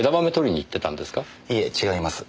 いいえ違います。